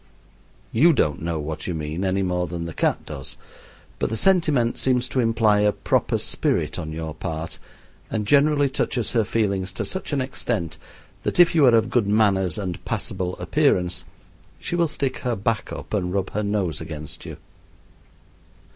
You don't know what you mean any more than the cat does, but the sentiment seems to imply a proper spirit on your part, and generally touches her feelings to such an extent that if you are of good manners and passable appearance she will stick her back up and rub her nose against you.